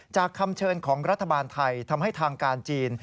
คำเชิญของรัฐบาลไทยทำให้ทางการจีน